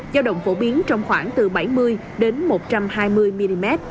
giao động phổ biến trong khoảng từ bảy mươi đến một trăm hai mươi mm